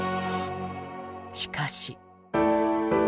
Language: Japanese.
しかし。